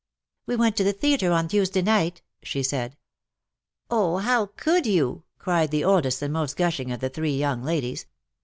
'^ We went to the theatre on Tuesday night/' she said. ^' Oh, how could you V cried the oldest and most gushing of the three young ladies.